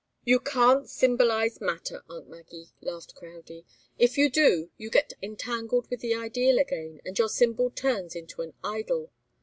"You can't symbolize matter, aunt Maggie," laughed Crowdie. "If you do, you get entangled with the ideal again, and your symbol turns into an idol.